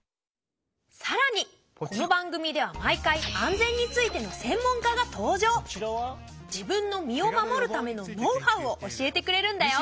さらにこの番組では毎回自分の身を守るためのノウハウを教えてくれるんだよ。